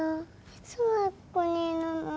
いつまでここにいるの？